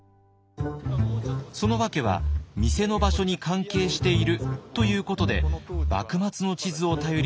その訳は店の場所に関係しているということで幕末の地図を頼りに外へ。